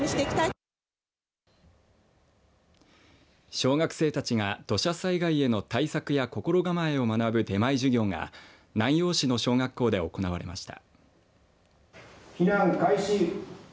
小学生たちが土砂災害の対策や心構えを学ぶ出前授業が南陽市の小学校で行われました。